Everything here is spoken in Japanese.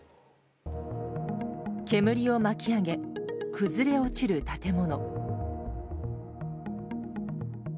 煙を巻き上げ、崩れ落ちる建物。